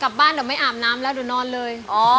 กลับบ้านเดี๋ยวไม่อาบน้ำแล้วเดี๋ยวนอนเลย